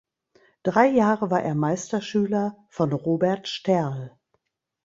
Drei Jahre war er Meisterschüler von Robert Sterl.